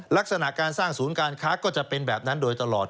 ลักษณะการสร้างศูนย์การค้าก็จะเป็นแบบนั้นโดยตลอด